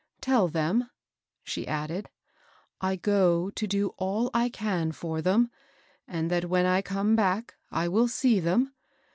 Tell them," she added, "I go to do all I can for them, and that when I come back I will see them.